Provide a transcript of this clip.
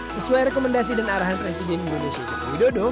sesuai rekomendasi dan arahan presiden indonesia jokowi dodo